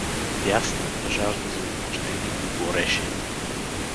Бясната жажда за отмъщение го гореше.